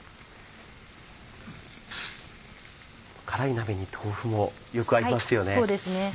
辛い鍋に豆腐もよく合いますよね。